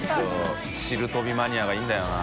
汁飛びマニアがいるんだよな。